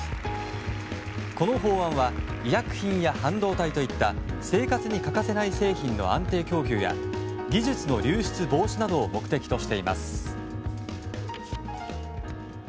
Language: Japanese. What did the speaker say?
この法案は医薬品や半導体といった生活に欠かせない製品の安定供給や技術の流出防止などを目的としています。